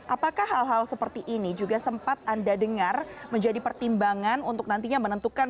apakah hal hal seperti ini juga sempat anda dengar menjadi pertimbangan untuk nantinya menentukan